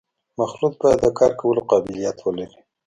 مخلوط باید د کار کولو قابلیت ولري